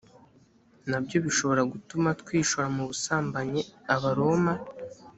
na byo bishobora gutuma twishora mu busambanyi abaroma